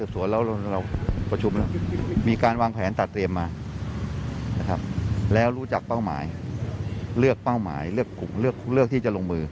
ส่วนนึงอีก